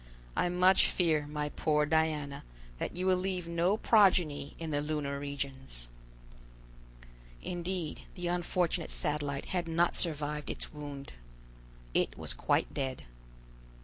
I much fear, my poor Diana, that you will leave no progeny in the lunar regions!" Indeed the unfortunate Satellite had not survived its wound. It was quite dead.